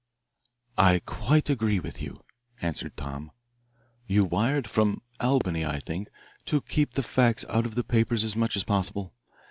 "I quite agree with you," answered Tom. "You wired, from Albany, I think, to keep the facts out of the papers as much as possible.